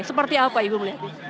seperti apa ibu melihatnya